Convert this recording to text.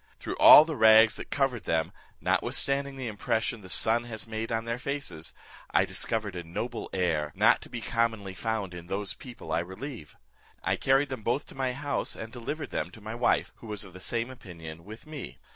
Through all the rags that covered them, notwithstanding the impression the sun has made on their faces, I discovered a noble air, not to be commonly found in those people I relieve. I carried them both to my house, and delivered them to my wife, who was of the same opinion with me.